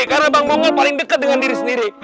karena bang mongol paling deket dengan diri sendiri